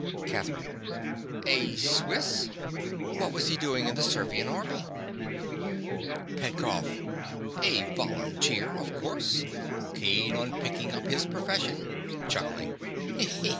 CATHERINE. A Swiss? What was he doing in the Servian army? PETKOFF. A volunteer of course—keen on picking up his profession. (_Chuckling.